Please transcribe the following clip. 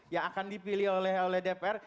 yang akan dipilih oleh dpr